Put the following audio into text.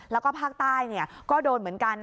แล้วก็ภาคใต้ก็โดนเหมือนกัน